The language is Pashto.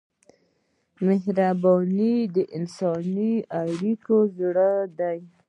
مهرباني د انساني اړیکو زړه دی.